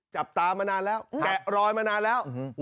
จับตามานานแล้วแกะรอยมานานแล้ว